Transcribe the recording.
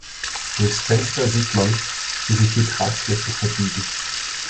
Durchs Fenster sieht man, wie sich die Tragflächen verbiegen.